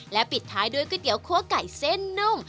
ปิดท้ายด้วยก๋วยเตี๋ยคั่วไก่เส้นนุ่ม